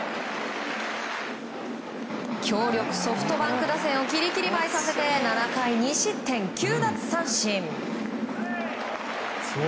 強力ソフトバンク打線をきりきり舞いさせて７回２失点９奪三振。